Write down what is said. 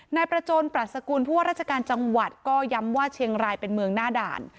นายประจนปรัชกุลผู้ว่าราชการจังหวัดก็ย้ำว่าเชียงรายเป็นเมืองหน้าด่าน